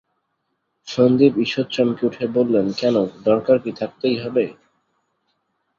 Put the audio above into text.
সন্দীপ ঈষৎ চমকে উঠে বললেন, কেন, দরকার কি থাকতেই হবে?